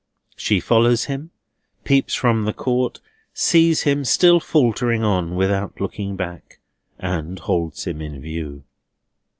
She follows him, peeps from the court, sees him still faltering on without looking back, and holds him in view.